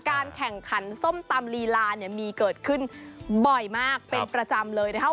การแข่งขันส้มตำลีลาเนี่ยมีเกิดขึ้นบ่อยมากเป็นประจำเลยนะคะ